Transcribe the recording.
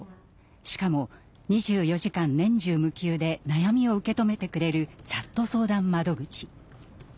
しかも２４時間年中無休で悩みを受け止めてくれるチャット相談窓口。